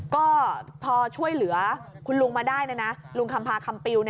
ก็พอช่วยเหลือคุณลุงมาได้ลุงคำพาคำปิว